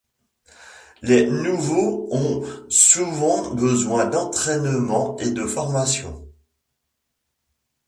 Les nouveaux ont souvent besoin d'entraînement et de formation.